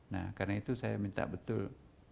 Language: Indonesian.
nah karena itu saya minta betul